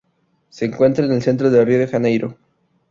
Se encuentra en el centro de Río de Janeiro.